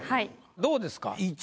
どうですか？